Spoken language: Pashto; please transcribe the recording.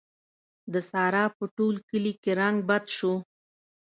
د سارا په ټول کلي کې رنګ بد شو.